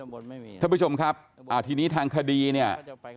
ท่านผู้ชมครับอ่าทีนี้ทางคดีเนี่ย